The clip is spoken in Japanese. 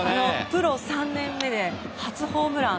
プロ３年目で初ホームラン。